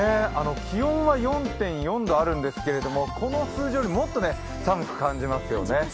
気温は４．４度あるんですけれども、この数字よりもっと寒く感じますよね。